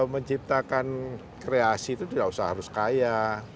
menciptakan kreasi itu tidak usah harus kaya